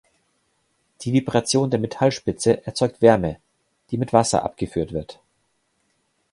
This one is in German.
Die Vibration der Metallspitze erzeugt Wärme, die mit Wasser abgeführt wird.